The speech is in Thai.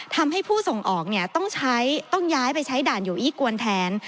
ทำให้ผู้ส่งออกเนี่ยต้องใช้ต้องย้ายไปใช้ด่านอยู่อี้กวนแทน